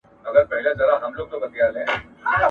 په قدم د سپېلني به د رڼا پر لوري ځمه !.